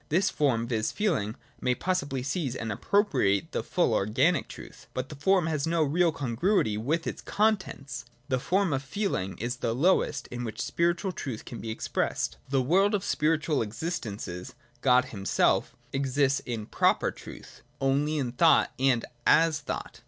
This form, viz. feeling, may possibly seize and appropriate the full organic truth : but the form has no real congruity with its contents. The form of feehng is the lowest in which spiritual truth can be expressed. The VOL. II. D 34 PRELIMINARY NOTION. [i9 world of spiritual existences, God himself, exists in proper truth, only in thought and as thought.